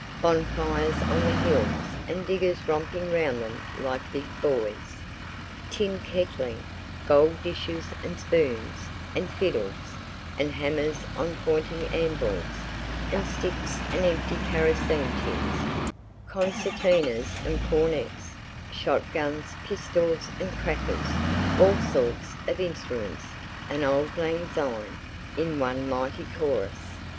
Bonfires on the hills and diggers romping round them like big boys. Tin kettling—gold dishes and spoons, and fiddles, and hammers on pointing anvils, and sticks and empty kerosene tins (they made a row); concertinas and cornets, shot guns, pistols and crackers, all sorts of instruments, and "Auld Lang Syne" in one mighty chorus.